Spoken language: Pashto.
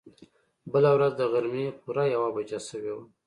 بله ورځ د غرمې پوره يوه بجه شوې وه.